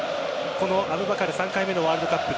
このアブバカル３回目のワールドカップ。